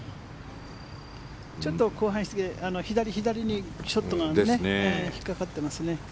ちょっと勾配し過ぎて左、左にショットが引っかかっていますね。